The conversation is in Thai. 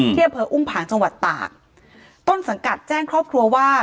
ที่อำเภออุ้มผางจังหวัดตากต้นสังกัดแจ้งครอบครัวว่า